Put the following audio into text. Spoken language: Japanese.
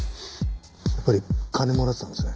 やっぱり金もらってたんですね。